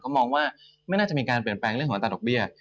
มองว่าไม่น่าจะมีการเปลี่ยนแปลงเรื่องของอัตราดอกเบี้ย